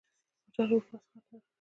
پاچا له اروپا څخه ته راغی.